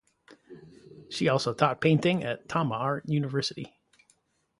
She also taught painting at Tama Art University.